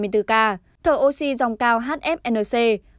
thở oxy dòng cao hfnc